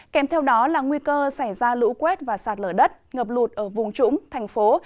kèm theo đó là nguy cơ xảy ra lũ quét và sạt lở đất ngập lụt ở vùng trũng thành phố